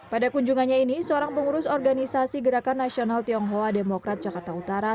pada kunjungannya ini seorang pengurus organisasi gerakan nasional tionghoa demokrat jakarta utara